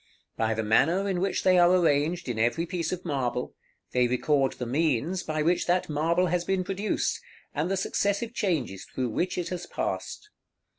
By the manner in which they are arranged in every piece of marble, they record the means by which that marble has been produced, and the successive changes through which it has passed.